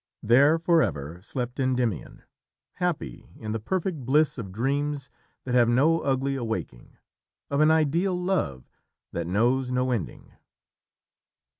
There, forever, slept Endymion, happy in the perfect bliss of dreams that have no ugly awaking, of an ideal love that knows no ending.